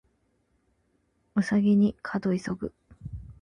兎に角急ぐ